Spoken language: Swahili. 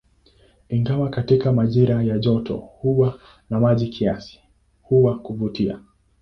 Ingawa katika majira ya joto huwa na maji kiasi, huweza kuvutia.